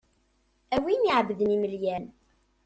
A win iɛebḏen imelyan.